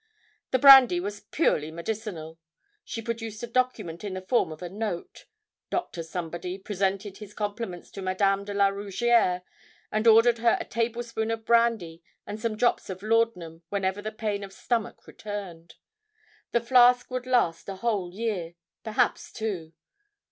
The brandy was purely medicinal. She produced a document in the form of a note. Doctor Somebody presented his compliments to Madame de la Rougierre, and ordered her a table spoonful of brandy and some drops of laudanum whenever the pain of stomach returned. The flask would last a whole year, perhaps two.